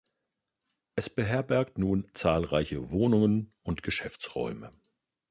Es beherbergt nun zahlreiche Wohnungen und Geschäftsräume.